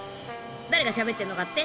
誰がしゃべってんのかって？